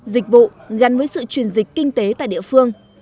dịch vụ gắn với sự chuyển dịch kinh tế tại địa phương